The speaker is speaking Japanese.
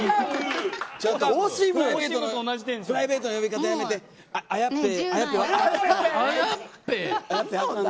プライベートの呼び方やめて。